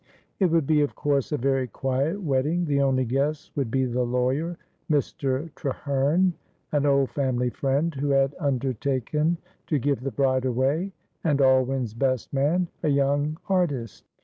It would be of course a very quiet wedding, the only guests would be the lawyer, Mr. Treherne, an old family friend, who had undertaken to give the bride away, and Alwyn's best man, a young artist.